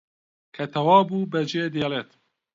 کە تەواو بوو بەجێ دێڵێت